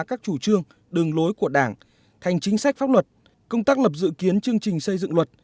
các chủ trương đường lối của đảng thành chính sách pháp luật công tác lập dự kiến chương trình xây dựng luật